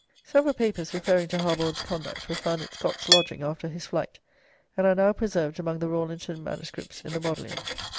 Several papers referring to Harbord's conduct were found at Scott's lodging after his flight, and are now preserved among the Rawlinson MSS. in the Bodleian.